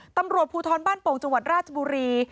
ตำรวจภูทรบ้านโป่งจังหวัดราชบุรี